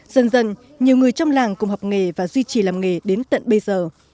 dần dần nhiều người trong làng cùng học nghề và duy trì làm nghề đến tận bây giờ